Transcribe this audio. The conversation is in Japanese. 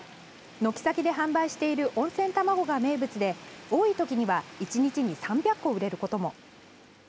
軒先で販売している温泉卵が名物で多い時には１日に３００個売れることも。